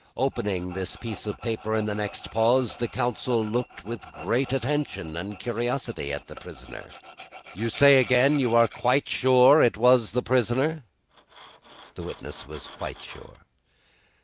Opening this piece of paper in the next pause, the counsel looked with great attention and curiosity at the prisoner. "You say again you are quite sure that it was the prisoner?" The witness was quite sure.